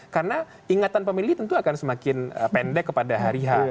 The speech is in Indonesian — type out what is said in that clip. karena ingatan pemilih tentu akan semakin pendek kepada hari h